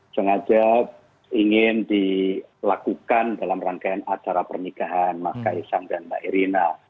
sengaja ingin dilakukan dalam rangkaian acara pernikahan mas kaisang dan mbak irina